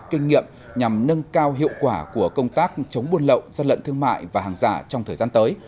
kinh nghiệm nhằm nâng cao hiệu quả của công tác chống buôn lậu dân lận thương mại và hàng giả trong thời gian tới